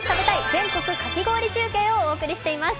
全国かき氷中継」をお送りしています。